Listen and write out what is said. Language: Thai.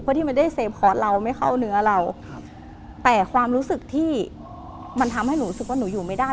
เพื่อที่มันได้เซฟคอร์สเราไม่เข้าเนื้อเราครับแต่ความรู้สึกที่มันทำให้หนูรู้สึกว่าหนูอยู่ไม่ได้